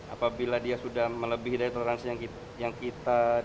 apabila dia sudah melebihi dari toleransi yang kita